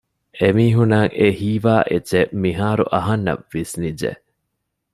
އެމީހުންނަށް އެ ހީވާ އެއްޗެއް މިހާރު އަހަންނަށް ވިސްނިއްޖެ